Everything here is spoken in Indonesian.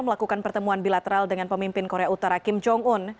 melakukan pertemuan bilateral dengan pemimpin korea utara kim jong un